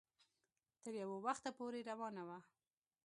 تر يو وخته پورې روانه وه